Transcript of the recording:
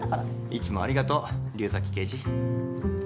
いつもありがとう竜崎刑事。